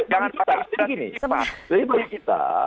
jadi bagi kita